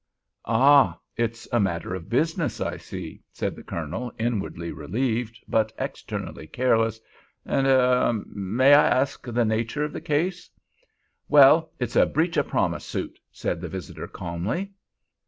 "Ah! It's a matter of business, I see," said the Colonel, inwardly relieved, but externally careless. "And—er—may I ask the nature of the case?" "Well! it's a breach o' promise suit," said the visitor, calmly.